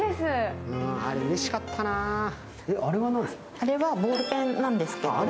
あれはボールペンなんですけど。